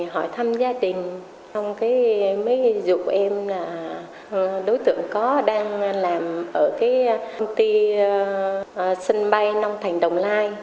hỏi thăm gia đình xong cái mới giúp em là đối tượng có đang làm ở cái công ty sân bay long thành đồng nai